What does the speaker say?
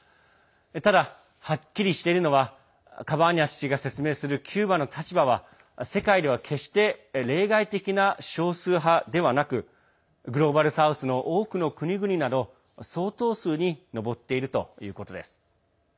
ただ、はっきりしているのはカバーニャス氏が説明するキューバの立場は世界では決して例外的な少数派ではなくグローバル・サウスの多くの国々など相当数に上っているということです。